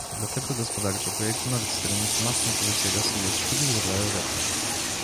Dlatego gospodarczo projekt Nord Stream wzmacnia pozycję Rosji i jest szkodliwy dla Europy